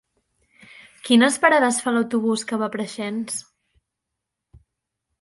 Quines parades fa l'autobús que va a Preixens?